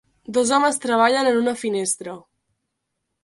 Dos homes treballen en una finestra.